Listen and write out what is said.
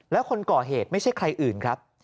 แล้วคนก่อเหตุไม่ใช่ใครอื่นครับ